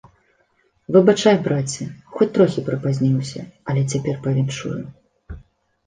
Выбачай, браце, хоць трохі прыпазніўся, але цяпер павіншую.